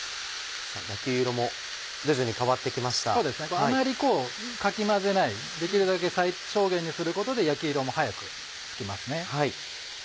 あまりかき混ぜないできるだけ最小限にすることで焼き色も早くつきますね。